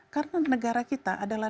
karena negara kita adalah